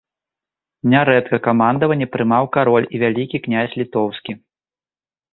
Нярэдка камандаванне прымаў кароль і вялікі князь літоўскі.